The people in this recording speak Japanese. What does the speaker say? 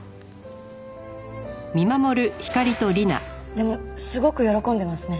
でもすごく喜んでますね。